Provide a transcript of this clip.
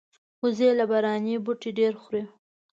وزې له باراني بوټي ډېر خوري